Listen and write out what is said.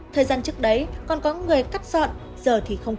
thời gian trước đấy còn có người cắt dọn giờ thì không có